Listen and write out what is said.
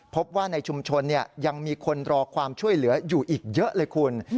พบว่าในชุมชนยังมีคนรอความช่วยเหลืออยู่อีกเยอะเลยคุณ